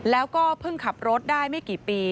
แล้วก็เพิ่งขับรถได้ไม่กี่ปี